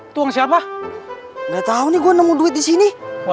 tuang siapa nggak tahu nih gue nemu duit di sini